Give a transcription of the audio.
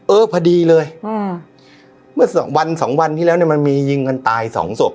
เออพอดีเลยมันสองวันที่แล้วมันมียิงอันตายสองศพ